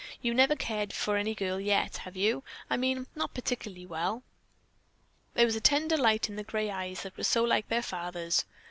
You never have cared for any girl yet, have you? I mean not particularly well?" There was a tender light in the gray eyes that were so like their father's.